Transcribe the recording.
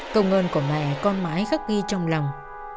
công ơn của mẹ con mãi khắc ghi trong lòng